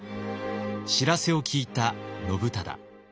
知らせを聞いた信忠。